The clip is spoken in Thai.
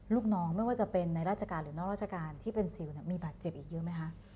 ลูกน้องไม่ว่าจะเป็นในราชการหรือนอกราชการที่เป็นซิลมีบาดเจ็บอีกเยอะไหมคะ